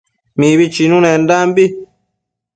Mibi chinunendambi